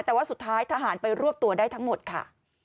แต่ว่าสุดท้ายทหารไปรวบตัวได้ทั้งหมดค่ะ